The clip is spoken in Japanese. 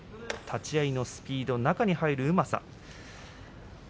立ち合いのスピード中に入るうまさ